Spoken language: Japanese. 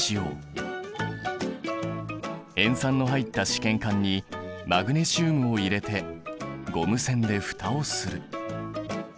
塩酸の入った試験管にマグネシウムを入れてゴム栓で蓋をする。